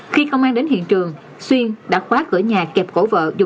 khi công an đến hiện trường xuyên đã khóa cửa nhà kẹp cổ vợ